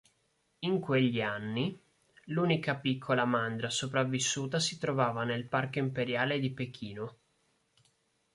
In quegli anni, l'unica piccola mandria sopravvissuta si trovava nel parco imperiale di Pechino.